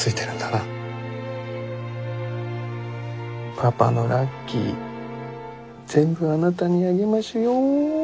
パパのラッキー全部あなたにあげましゅよ！